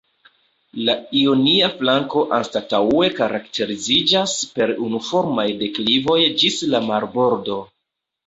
La ionia flanko anstataŭe karakteriziĝas per unuformaj deklivoj ĝis la marbordo.